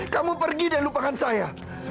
kamu pergi dan lupakan saya